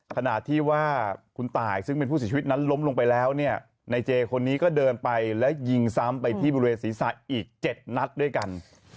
ขณะที่ว่าคุณตายซึ่งเป็นผู้เสียชีวิตนั้นล้มลงไปแล้วเนี่ยในเจคนนี้ก็เดินไปและยิงซ้ำไปที่บริเวณศีรษะอีก๗นัดด้วยกัน